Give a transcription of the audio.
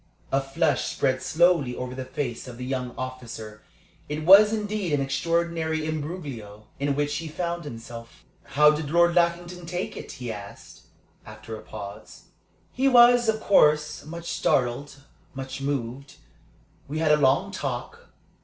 A flush spread slowly over the face of the young officer. It was indeed an extraordinary imbroglio in which he found himself. "How did Lord Lackington take it?" he asked, after a pause. "He was, of course, much startled, much moved. We had a long talk.